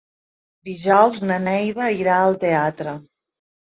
Dijous na Neida irà al teatre.